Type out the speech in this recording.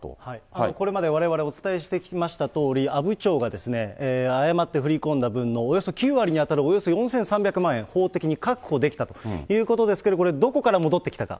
これまでわれわれ、お伝えしてきましたとおり、阿武町が誤って振り込んだ分のおよそ９割に当たるおよそ４３００万円、法的に確保できたということですけれども、これどこから戻ってきたか。